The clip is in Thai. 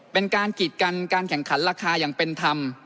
เป็นการกีดกันการแข่งขันราคาอย่างเป็นธรรม